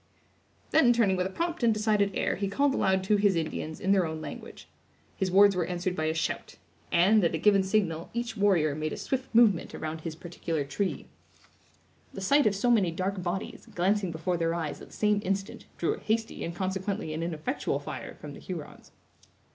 Then, turning with a prompt and decided air, he called aloud to his Indians, in their own language. His words were answered by a shout; and, at a given signal, each warrior made a swift movement around his particular tree. The sight of so many dark bodies, glancing before their eyes at the same instant, drew a hasty and consequently an ineffectual fire from the Hurons.